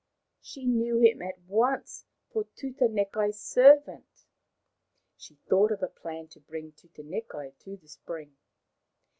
She knew him at once for Tutanekai* s servant. She thought of a plan to bring Tutanekai to the spring.